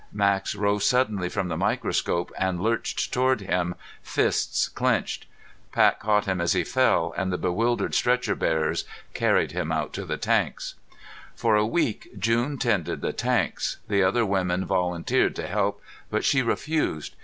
Max rose suddenly from the microscope and lurched toward him, fists clenched. Pat caught him as he fell, and the bewildered stretcher bearers carried him out to the tanks. For a week June tended the tanks. The other women volunteered to help, but she refused.